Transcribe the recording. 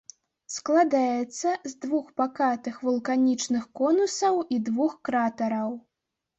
Складаецца з двух пакатых вулканічных конусаў і двух кратараў.